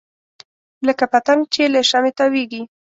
لکه پتنګ چې له شمعې تاویږي.